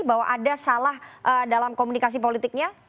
bahwa ada salah dalam komunikasi politiknya